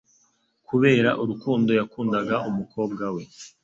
Kubera urukundo yakundaga umukobwa we,